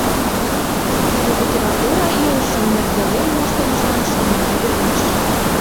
Тудын литература илышым нергелен моштымыжлан Шамрай ӧреш.